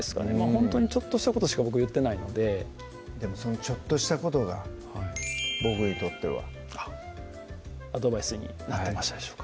ほんとにちょっとしたことしか僕言ってないのででもそのちょっとしたことが僕にとってはアドバイスになってましたでしょうか